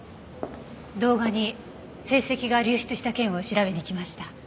動画に成績が流出した件を調べに来ました。